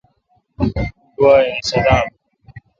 گوا این صدام۔